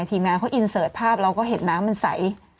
ทีมงานเขาอินเสิร์ตภาพเราก็เห็นน้ำมันใส